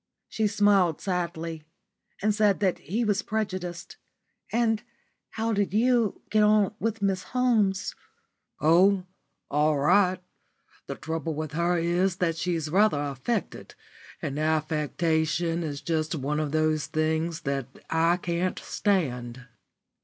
She smiled sadly, and said that he was prejudiced. "And how did you get on with Miss Holmes?" "Oh, all right. The trouble with her is that she's rather affected, and affectation is just one of those things that I can't stand."